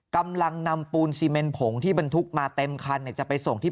กำลังนำปูนซีเมนผงที่บรรทุกมาเต็มคันจะไปส่งที่